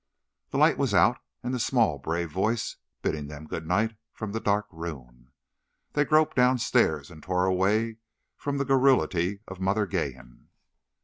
The light was out, and the small, brave voice bidding them good night from the dark room. They groped downstairs, and tore away from the garrulity of Mother Geehan.